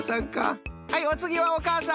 はいおつぎはおかあさん。